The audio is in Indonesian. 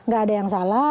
gak ada yang salah